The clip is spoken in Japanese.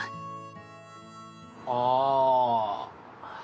ああ。